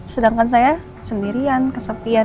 sedangkan saya sendirian kesepian